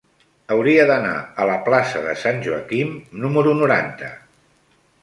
Hauria d'anar a la plaça de Sant Joaquim número noranta.